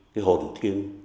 cái hồn thiêng